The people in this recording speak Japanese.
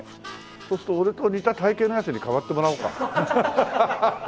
そうすると俺と似た体形のヤツに代わってもらおうか。